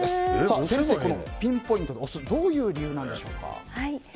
先生、ピンポイントで押すどういう理由なんでしょうか。